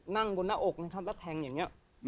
นั่งบนหน้าอกนะครับแล้วแทงอย่างนี้